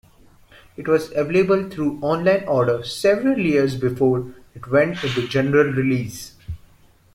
It was available through online order several years before it went into general release.